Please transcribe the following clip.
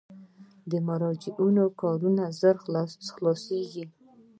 د مراجعینو کارونه ژر خلاصیږي؟